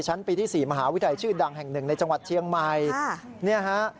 ชั้นปีที่๔มหาวิทยาลัยชื่อดังแห่งหนึ่งในจังหวัดเชียงใหม่เนี่ยฮะ